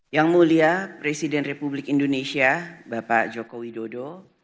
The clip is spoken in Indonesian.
yang mulia presiden republik indonesia bapak joko widodo